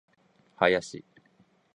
林